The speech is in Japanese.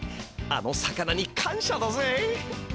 あの魚にかんしゃだぜ！